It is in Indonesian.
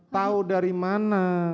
tahu dari mana